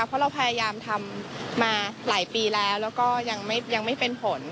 เพราะเราพยายามทำมาหลายปีแล้วแล้วก็ยังไม่เป็นผล